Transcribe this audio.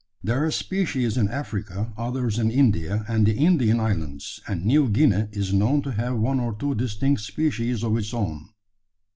There are species in Africa, others in India and the Indian islands, and New Guinea is known to have one or two distinct species of its own.